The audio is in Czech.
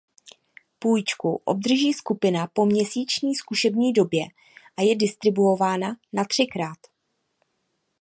Půjčku obdrží skupina po měsíční zkušební době a je distribuována na třikrát.